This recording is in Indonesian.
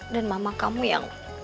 dan mama kamu yang